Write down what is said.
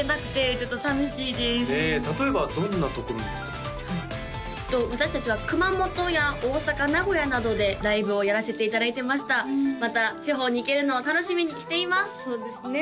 えっと私達は熊本や大阪名古屋などでライブをやらせていただいてましたまた地方に行けるのを楽しみにしていますそうですね